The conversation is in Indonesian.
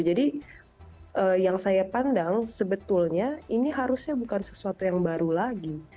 jadi yang saya pandang sebetulnya ini harusnya bukan sesuatu yang baru lagi